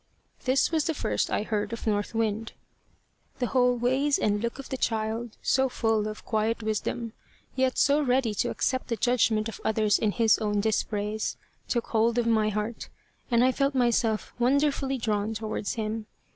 This was the first I heard of North Wind. The whole ways and look of the child, so full of quiet wisdom, yet so ready to accept the judgment of others in his own dispraise, took hold of my heart, and I felt myself wonderfully drawn towards him.